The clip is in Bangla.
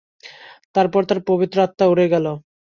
তারপর তার পবিত্র আত্মা উড়ে গেল।